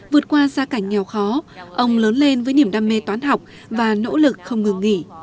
vượt qua gia cảnh nghèo khó ông lớn lên với niềm đam mê toán học và nỗ lực không ngừng nghỉ